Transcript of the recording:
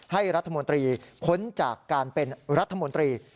ให้รัฐมนตรีพ้นจากการเป็นรัฐมนตรี